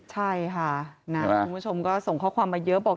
ใช่ค่ะคุณผู้ชมก็ส่งข้อความมาเยอะบอก